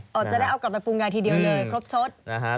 อ๋อจะได้เอากลับมาปรุงงานทีเดียวเลยครบชด